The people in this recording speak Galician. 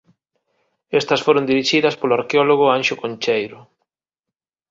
Estas foron dirixidas polo arqueólogo Anxo Concheiro.